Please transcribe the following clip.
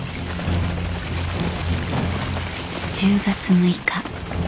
１０月６日。